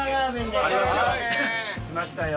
来ましたよ。